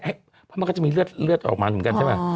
เพราะมันก็จะมีเลือดออกมาเหมือนกันใช่ไหม